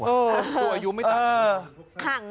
ตัวอายุไม่ต่ำ